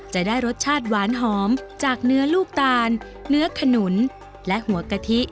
จะได้รสชาติหวานหอมจากเนื้อลูกตาลเนื้อขนุนและหัวกะทิ